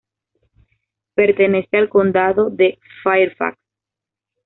Pertenece al Condado de Fairfax.